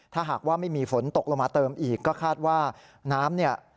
ถ้าหากว่าไม่มีฝนตกลงมาเติมอีกก็คาดว่า